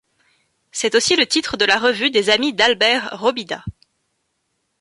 C'est aussi le titre de la revue des amis d'Albert Robida.